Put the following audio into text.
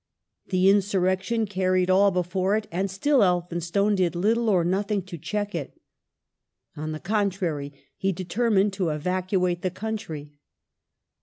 The insurrection carried all before it and still Elphinstone did little or nothing to check it. On the contrary, he determined to evacuate the country.